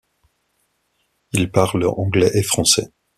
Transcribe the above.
Il parle anglais et français.